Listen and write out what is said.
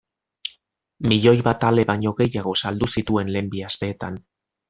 Milioi bat ale baino gehiago saldu zituen lehen bi asteetan.